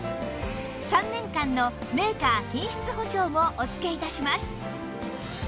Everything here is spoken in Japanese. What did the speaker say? ３年間のメーカー品質保証もお付け致します